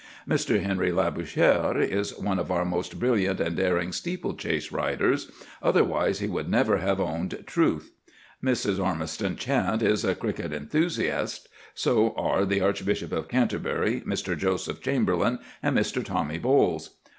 Mr. Henry Labouchere is one of our most brilliant and daring steeple chase riders, otherwise he would never have owned Truth. Mrs. Ormiston Chant is a cricket enthusiast; so are the Archbishop of Canterbury, Mr. Joseph Chamberlain, and Mr. Tommy Bowles.